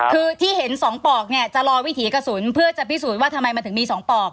คือที่เห็น๒ปอกเนี่ยจะรอวิถีกระสุนเพื่อจะพิสูจน์ว่าทำไมมันถึงมี๒ปอก